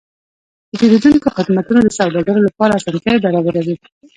د پیرودونکو خدمتونه د سوداګرو لپاره اسانتیاوې برابروي.